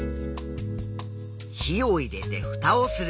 火を入れてふたをする。